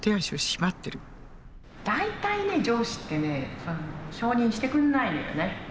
大体ね上司ってね承認してくんないのよね。